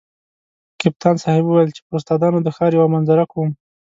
کپتان صاحب ویل چې پر استادانو د ښار یوه منظره کوم.